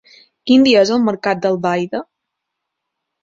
Quin dia és el mercat d'Albaida?